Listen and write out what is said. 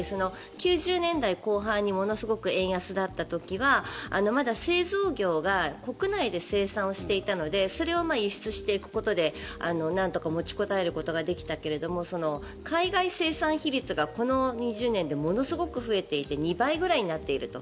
９０年代後半にものすごく円安だった時にはまだ製造業が国内で生産していたのでそれを輸出していくことでなんとか持ちこたえることができたけれど海外生産比率がこの２０年でものすごく増えていて２倍くらいになっていると。